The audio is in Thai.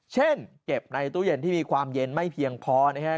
เช่นเก็บในตู้เย็นที่มีความเย็นไม่เพียงพอนะครับ